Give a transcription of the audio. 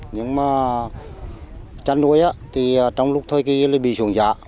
nhưng mà chăn nuôi thì trong lúc thời kỳ lại bị xuống giá